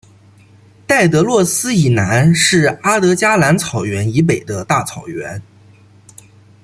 戴德洛斯以南是阿德加蓝草原以北的大草原。